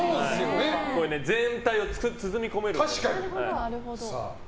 全体を包み込めるから。